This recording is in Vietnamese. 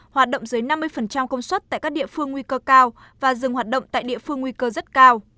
hoạt động dưới năm mươi công suất tại các địa phương nguy cơ cao và dừng hoạt động tại địa phương nguy cơ rất cao